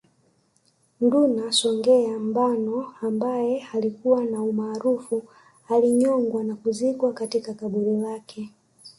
Nduna Songea Mbano ambaye alikuwa na umaarufu alinyongwa na kuzikwa katika kaburi lake